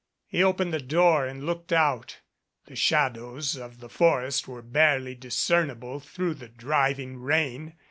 He opened the door and looked out. The shadows of the forest were barely discernible through the driving rain.